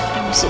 ya ibu sih